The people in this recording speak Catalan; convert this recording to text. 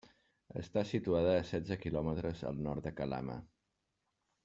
Està situada a setze quilòmetres al nord de Calama.